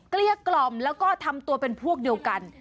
เกลี้ยกล่อมแล้วก็ทำตัวเป็นพวกเดียวกัน